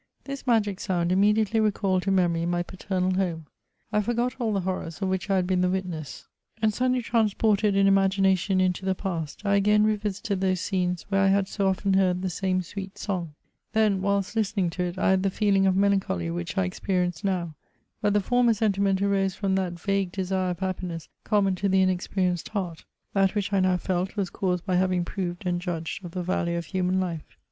This magic sound immediately recalled to memory my paternal home ; I forgot all the horrors of which I had been the witness, and, CHATEAUBRIAND. 1 1 7 suddenly transported in imagination into the past, I again revisited those scenes where I had so often heard the same sweet song. Then, whilst hstening to it, I had the feeling of melancholy which I experienced now ; hut the former sentiment arose from that vague desire of happiness common to the inexperienced heart; that which I now felt was caused hy having proved and judged of the value of human life.